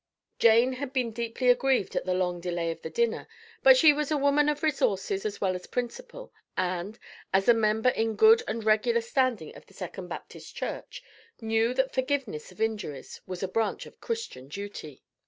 Jane had been deeply aggrieved at the long delay of the dinner; but she was a woman of resources as well as principle, and, as a member in good and regular standing of the Second Baptist Church, knew that forgiveness of injuries was a branch of Christian duty.